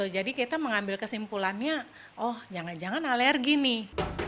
jadi kita mengambil kesimpulannya oh jangan jangan alergi nih